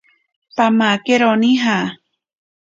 Pamakenaro nija.